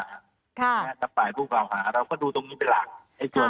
แน่นับปลายผู้เปล่าหาเราก็ดูตรงนี้เป็นหลัก